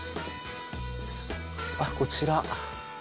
あっこちら。